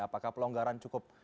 apakah pelonggaran cukup sudah baik